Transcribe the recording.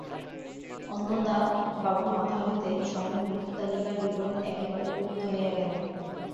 অন্নদাবাবুর মাথা হইতে শহরের মৃত্যুতালিকার বিবরণ একেবারে লুপ্ত হইয়া গেল।